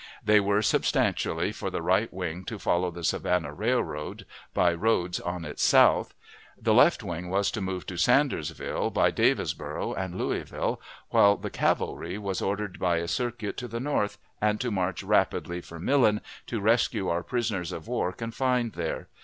These were, substantially, for the right wing to follow the Savannah Railroad, by roads on its south; the left wing was to move to Sandersville, by Davisboro' and Louisville, while the cavalry was ordered by a circuit to the north, and to march rapidly for Millen, to rescue our prisoners of war confined there.